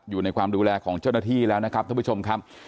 อยู่ในความดูแลของเจ้าหน้าที่แล้วนะครับท่านผู้ชมครับ